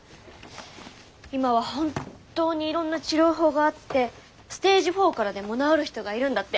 今は本当にいろんな治療法があってステージⅣからでも治る人がいるんだって。